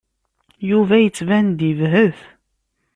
Yuba yettban-d yebhet.